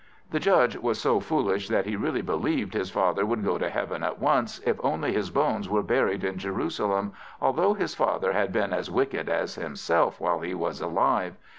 The Judge was so foolish that he really believed his father would go to heaven at once, if only his bones were buried in Jerusalem, although his father had been as wicked as himself while he was alive.